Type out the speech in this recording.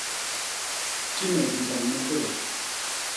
Ti me jiban matôa.